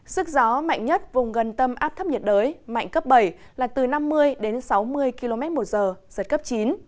sức gió mạnh nhất vùng gần tâm áp thấp nhiệt đới mạnh cấp bảy là từ năm mươi đến sáu mươi km một giờ giật cấp chín